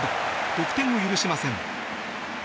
得点を許しません。